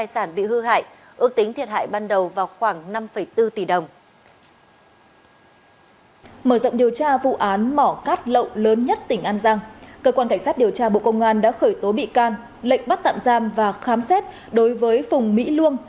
cơ quan cảnh sát điều tra bộ công an đã khởi tố bị can lệnh bắt tạm giam và khám xét đối với phùng mỹ luông